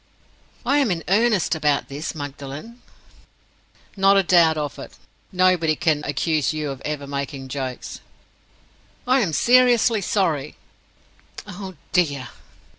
"I am in earnest about this, Magdalen—" "Not a doubt of it. Nobody can accuse you of ever making jokes." "I am seriously sorry—" "Oh, dear!"